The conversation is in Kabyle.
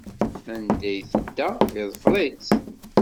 Anda i tedda yeḍfeṛ-itt.